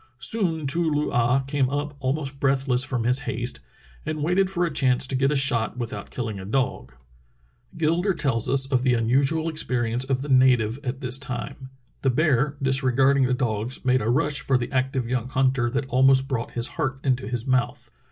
Soon Too loo ah came up almost breathless from his haste, and waited for a chance to get a shot without killing a dog. Gilder tells us of the unusual experi ence of the native at this time: "The bear disregarding the dogs made a rush for the active young hunter that almost brought his heart into his mouth.